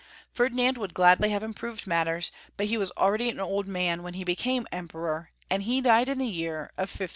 Ferdinand would gladly have improved matters, but he was already an old man when he became Emperor, and he died in the year of 1564.